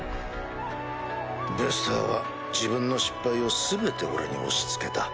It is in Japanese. ベスターは自分の失敗を全て俺に押し付けた。